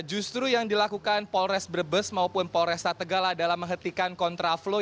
justru yang dilakukan polres brebes maupun polres tegal adalah menghentikan kontra flow